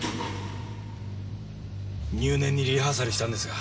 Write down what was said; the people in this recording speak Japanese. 入念にリハーサルしたんですが。